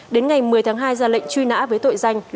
đến ngày một mươi tháng hai ra lệnh truy nã với tội danh